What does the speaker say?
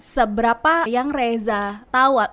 seberapa yang reza tau